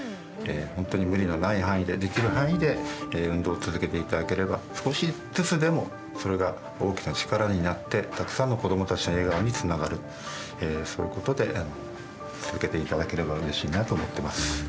本当に無理のない範囲でできる範囲で運動を続けていただければ少しずつでもそれが大きな力になってそういうことで続けていただければうれしいなと思ってます。